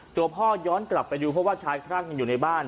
ตัวพ่อย้อนกลับไปดูเพราะว่าชายคลั่งอยู่ในบ้าน